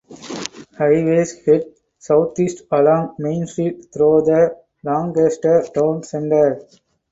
Highways head southeast along Main Street through the Lancaster town center.